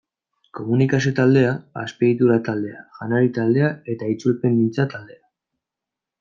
Komunikazio taldea, Azpiegitura taldea, Janari taldea eta Itzulpengintza taldea.